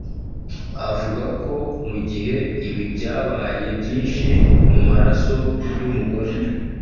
Avuga ko mu gihe ibi byabaye byinshi mu maraso y’umugore